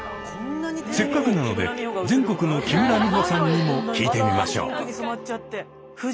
せっかくなので全国の木村美穂さんにも聞いてみましょう。